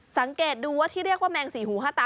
สังเกตดูว่าที่เรียกว่าแมงสี่หูห้าตา